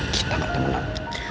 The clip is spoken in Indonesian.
kita gak temenan